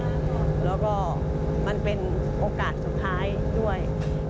แล้วก็มันเป็นโอกาสสุดท้ายด้วย